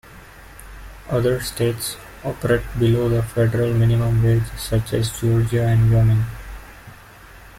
Other states operate below the federal minimum wage such as Georgia and Wyoming.